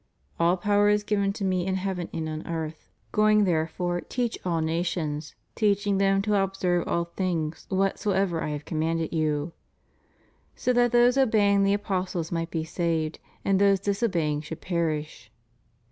All power is given to Me in heaven and in earth. Going therefore teach all nations ... teaching them to observe all things whatsoever I have commanded you.* So that those obeying the apostles might be saved, and those disobeying should perish.